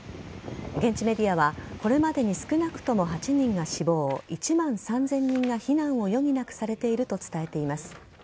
現地メディアはこれまでに少なくとも８人が死亡１万３０００人が避難を余儀なくされていると伝えています。